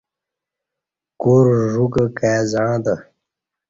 کور ژوکہ کائی زعں تہ